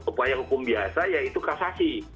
upaya hukum biasa yaitu kasasi